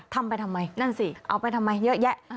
ทำไปทำไมนั่นสิเอาไปทำไมเยอะแยะ